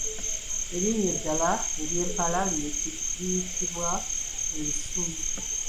Erinnya eddala ery'empala ziyitibwa ensunu.